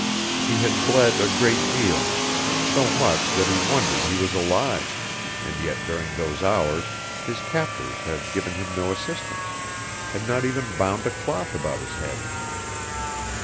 He had bled a great deal, so much that he wondered he was alive, and yet during those hours his captors had given him no assistance, had not even bound a cloth about his head.